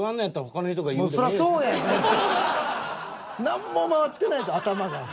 何も回ってないぞ頭が。